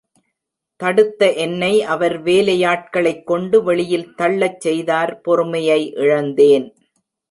தடுத்த என்னை, அவர் வேலையாட்களைக் கொண்டு வெளியில் தள்ளச் செய்தார் பொறுமையை இழந்தேன்.